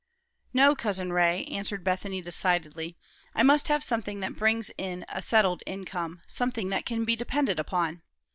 "No, Cousin Ray," answered Bethany decidedly; "I must have something that brings in a settled income, something that can be depended on.